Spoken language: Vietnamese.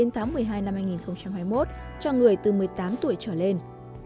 tháng một mươi hai năm hai nghìn hai mươi một cho người từ một mươi tám tuổi trở lên